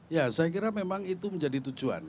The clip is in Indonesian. ya saya kira memang itu menjadi tujuan